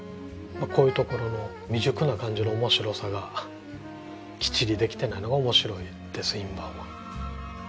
こういうところの未熟な感じの面白さがきっちりできてないのが面白いです印判は。